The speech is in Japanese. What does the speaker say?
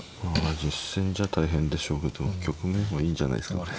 実戦じゃ大変でしょうけど局面はいいんじゃないですかこれ。